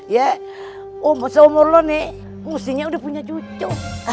ya seumur lo nih mustinya udah punya cucu